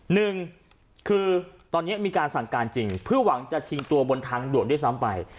หนึ่งคือตอนนี้มีการสั่งการจริงเพื่อหวังจะชิงตัวบนทางด่วนด้วยซ้ำไป